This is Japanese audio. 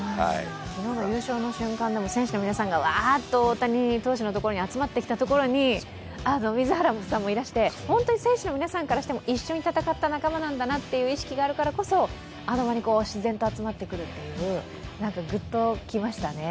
昨日の優勝の瞬間でも、選手の皆さんがわーっと大谷選手のところに来たときも水原さんもいらして、本当に選手の皆さんからしても一緒に戦った仲間なんだなという意識があるからこそ、集まってくるという、ぐっときましたね。